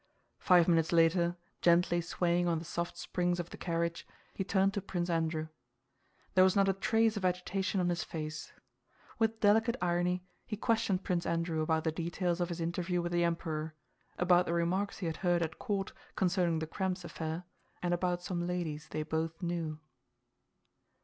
Five minutes later, gently swaying on the soft springs of the carriage, he turned to Prince Andrew. There was not a trace of agitation on his face. With delicate irony he questioned Prince Andrew about the details of his interview with the Emperor, about the remarks he had heard at court concerning the Krems affair, and about some ladies they both knew.